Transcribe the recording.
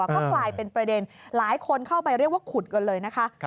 ก็กลายเป็นประเด็นหลายคนเข้าไปเรียกว่าขุดกันเลยนะคะ